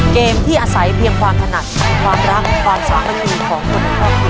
เกมที่อาศัยเพียงความถนัดความรักความสวรรค์ของคุณ